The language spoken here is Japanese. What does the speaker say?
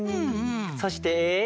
そして。